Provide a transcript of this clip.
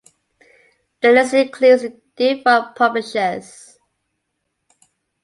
The list includes defunct publishers.